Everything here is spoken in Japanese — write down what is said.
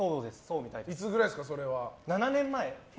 いつぐらいですかそれは。